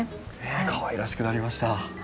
かわいらしくなりました。